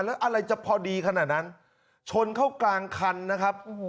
แล้วอะไรจะพอดีขนาดนั้นชนเข้ากลางคันนะครับ